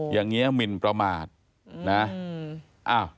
อย่างนี้หมินประมาทนะ